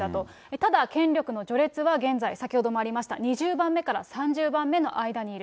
ただ、権力の序列は現在、先ほどもありました２０番目から３０番目の間にいる。